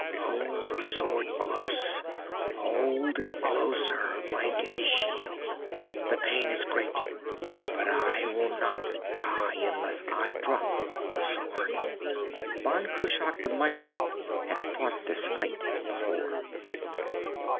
Hold the sword close, hold it closer, like a shield. The pain is great, but I will not die unless I drop the sword. Ban Cruach the mighty had fought this fight before.